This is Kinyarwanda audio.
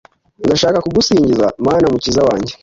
ndashaka kugusingiza, mana mukiza wanjye